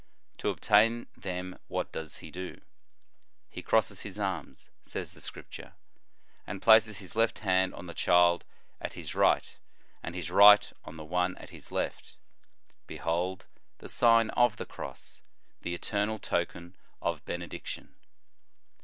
To obtain them what does he do ? He crosses his arms, says the Scrip ture, and places his left hand on the child at his right, and his right on the one at his left. Behold the Sign of the Cross, the eternal token of benediction